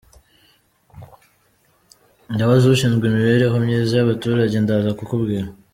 Ndabaza ushinzwe imibereho myiza y’abaturage ndaza kukubwira.